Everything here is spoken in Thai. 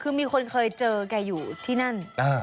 คือมีคนเคยเจอแกอยู่ที่นั่น